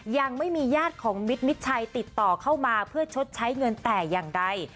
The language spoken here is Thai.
ยังไม่มีญาติของมิดมิดชัยติดต่อเข้ามาเพื่อชดใช้เงินแต่อย่างใด